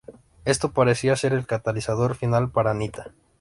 Esto parecía ser el catalizador final para Nita.